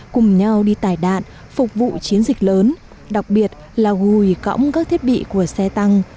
cùng nhau đi tải đạn phục vụ chiến dịch lớn đặc biệt là gùi cõng các thiết bị của xe tăng